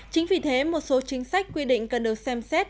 chính vì thế một số chính sách quy định cần được xem xét